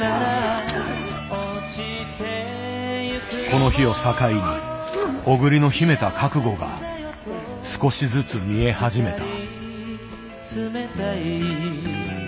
この日を境に小栗の秘めた覚悟が少しずつ見え始めた。